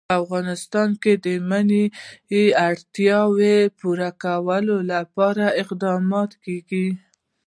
په افغانستان کې د منی د اړتیاوو پوره کولو لپاره اقدامات کېږي.